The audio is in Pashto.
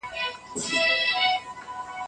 که چنارونه پکې ږدم اوبه يې وړينه